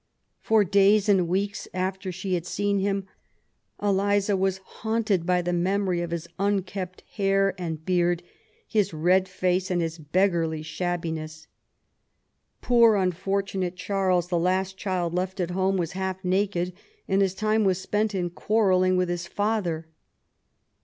For days and weeks after she had seen him, Eliza was haunted by the memory of his unkempt hair and beard, his red face and his beggarly shabbiness. Poor unfortunate Charles, the last child left at home, was half naked, and his time was spent in quarrelling with his father.